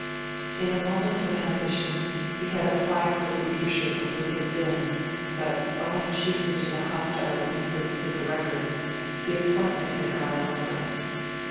In a moment of ambition, he had applied for the Readership of Lincoln's Inn, but, owing chiefly to the hostile influence of the Record, the appointment had gone elsewhere.